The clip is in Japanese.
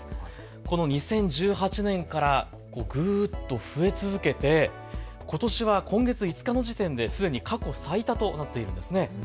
この２０１８年からぐーっと増え続けて、ことしは今月５日の時点ですでに過去最多となっているんですね。